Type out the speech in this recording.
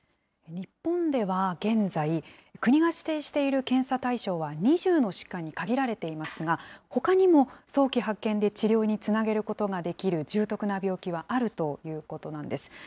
日本では現在、国が指定している検査対象は、２０の疾患に限られていますが、ほかにも早期発見で治療につなげることができる重篤な病気はあるということなんです。